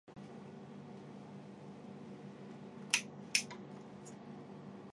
角突刺剑水蚤为剑水蚤科刺剑水蚤属的动物。